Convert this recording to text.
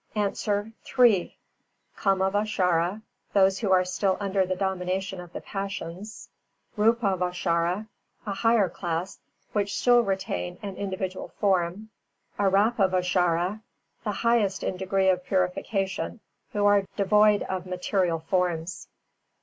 _ A. Three: Kāmāvācharā (those who are still under the domination of the passions); Rūpāvācharā (a higher class, which still retain an individual form): Arāpāvācharā (the highest in degree of purification, who are devoid of material forms).